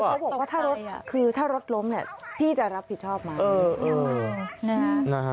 คือเขาบอกว่าถ้ารถคือถ้ารถล้มเนี่ยพี่จะรับผิดชอบมาเออเออนะฮะ